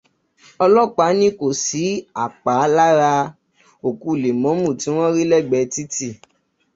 Ọlọ́pàá ní kò sí àpá lára òkú Lèmọ́mù tí wọ́n rí lẹ́gbẹ̀ẹ́ títì